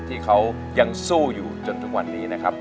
ที่เขายังสู้อยู่จนทุกวันนี้นะครับ